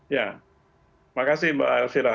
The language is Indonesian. ya makasih mbak elvira